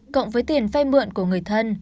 cộng với tiền phai mượn của người thân